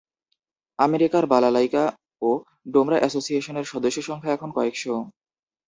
আমেরিকার বালালাইকা ও ডোমরা অ্যাসোসিয়েশনের সদস্য সংখ্যা এখন কয়েকশ।